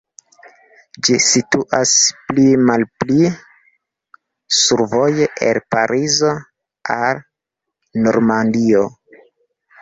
Ĝi situas pli malpli survoje el Parizo al Normandio.